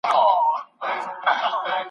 چي پښتو پالي په هر وخت کي پښتانه ملګري